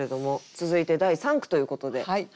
続いて第三句ということではい。